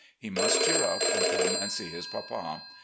He must cheer up and come and see his papa.